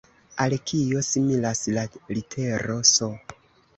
Al kio similas la litero S?